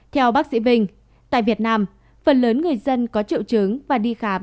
theo bác sĩ vinh tại việt nam phần lớn người dân có triệu chứng và đi khám